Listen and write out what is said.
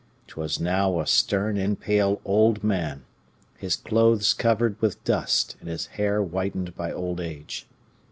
'Twas now a stern and pale old man, his clothes covered with dust, and hair whitened by old age.